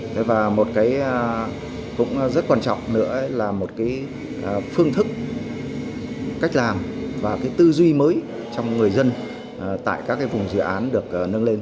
thế và một cái cũng rất quan trọng nữa là một cái phương thức cách làm và cái tư duy mới trong người dân tại các cái vùng dự án được nâng lên